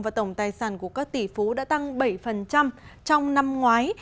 và tổng tài sản của các tỷ phú đã tăng bảy trong năm ngoái